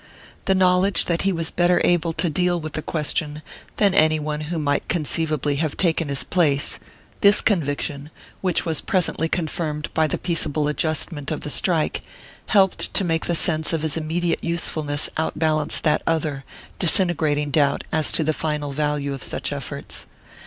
The knowledge that he was better able to deal with the question than any one who might conceivably have taken his place this conviction, which was presently confirmed by the peaceable adjustment of the strike, helped to make the sense of his immediate usefulness outbalance that other, disintegrating doubt as to the final value of such efforts.